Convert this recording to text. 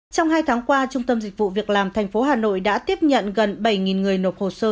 trong hai tháng qua trung tâm dịch vụ việc làm tp hà nội đã tiếp nhận gần bảy người nộp hồ sơ